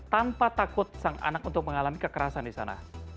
tanpa takut anak untuk mengalami kekerasan